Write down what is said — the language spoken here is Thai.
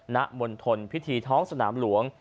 ณมณฑลพิธีท้องสนามหลวง